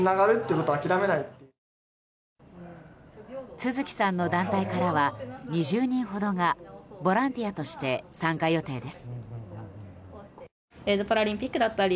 都築さんの団体からは２０人ほどがボランティアとして参加予定です。